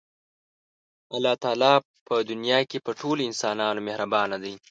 الله تعالی په دنیا کې په ټولو انسانانو مهربانه دی.